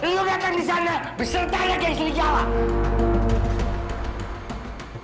lo datang disana bersertanya ke istri kialah